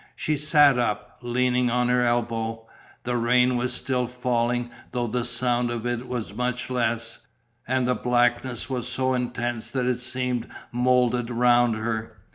She sat up, leaning on her elbow. The rain was still falling, though the sound of it was much less, and the blackness was so intense that it seemed moulded round her.